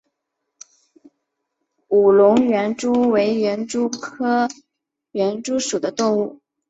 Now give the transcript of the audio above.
武隆园蛛为园蛛科园蛛属的动物。